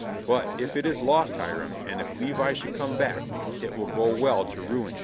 But if it is lost, Hiram, and if Levi should come back, it will go well to ruin ye."